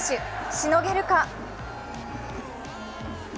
しのげるか？